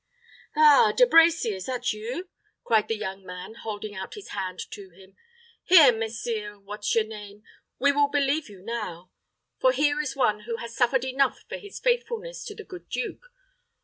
"Ah, De Brecy, is that you?" cried the young, man, holding out his hand to him. "Here, Messire What's your name, we will believe you now; for here is one who has suffered enough for his faithfulness to the good duke.